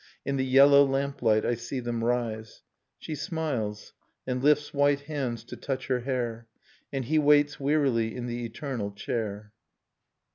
In the yellow lamplight I see them rise; She smiles, and lifts white hands to touch her hair: And he waits wearily in the eternal chair.